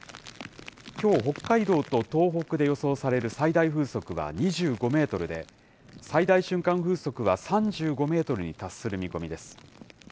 きょう、北海道と東北で予想される最大風速は２５メートルで、最大瞬間風速は３５メートルに達する見込みです。